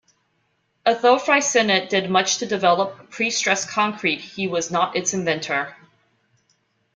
Although Freyssinet did much to develop prestressed concrete, he was not its inventor.